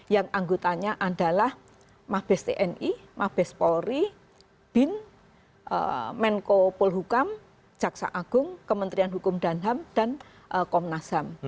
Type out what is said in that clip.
yang anggotanya adalah mabes tni mabes polri bin menko polhukam jaksa agung kementerian hukum dan ham dan komnas ham